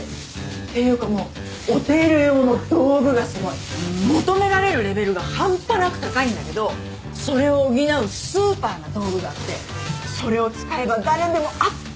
ていうかもうお手入れ用の道具がすごい。求められるレベルが半端なく高いんだけどそれを補うスーパーな道具があってそれを使えば誰でもあっという間なのよ。